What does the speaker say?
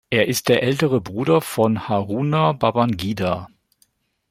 Er ist der ältere Bruder von Haruna Babangida.